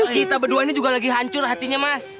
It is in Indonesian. kita berdua ini juga lagi hancur hatinya mas